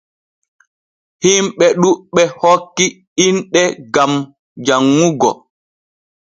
Himɓe ɗuɓɓe hokki inɗe gam janŋugo.